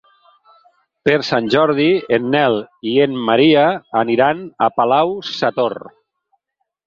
Per Sant Jordi en Nel i en Maria aniran a Palau-sator.